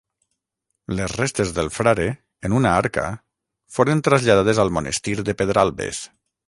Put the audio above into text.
Les restes del frare, en una arca, foren traslladades al monestir de Pedralbes.